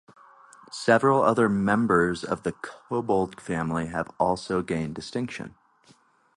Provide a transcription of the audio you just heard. Several other members of the Cobbold family have also gained distinction.